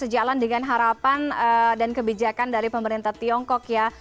jadi saya berharap dengan harapan dan kebijakan dari pemerintah tiongkok ya